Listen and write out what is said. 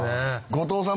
後藤さん